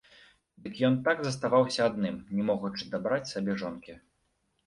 Дык ён так заставаўся адным, не могучы дабраць сабе жонкі.